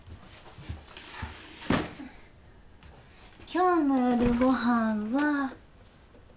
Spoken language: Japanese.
今日の夜ご飯は。